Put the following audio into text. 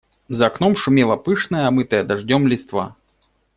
За окном шумела пышная, омытая дождем листва.